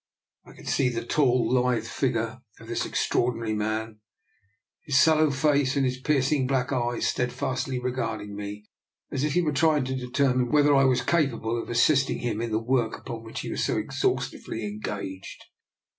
I can see the tall, lithe figure of this extraordinary man, his sallow face, and his piercing black eyes steadfastly regarding me, as if he were trying to determine whether I was capable of assisting him in the work upon which he was so exhaustively engaged.